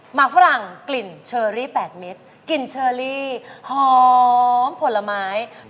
ฝรั่งกลิ่นเชอรี่๘เม็ดกลิ่นเชอรี่หอมผลไม้